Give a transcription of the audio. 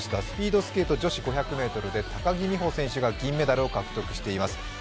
スピードスケート女子５００ｍで高木美帆選手が銀メダルを獲得しています。